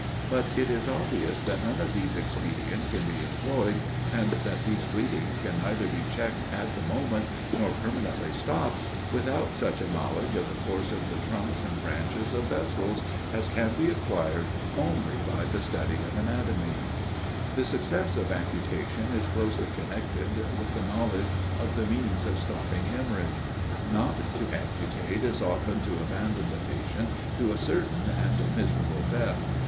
But it is obvious that none of these expedients can be employed, and that these bleedings can neither be checked at the moment, nor permanently stopped, without such a knowledge of the course of the trunks and branches of vessels, as can be acquired only by the study of anatomy. The success of amputation is closely connected with the knowledge of the means of stopping hemorrhage. Not to amputate is often to abandon the patient to a certain and miserable death.